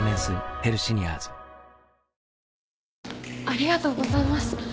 ありがとうございます。